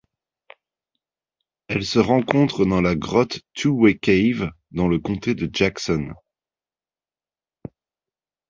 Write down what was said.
Elle se rencontre dans la grotte Two Way Cave dans le comté de Jackson.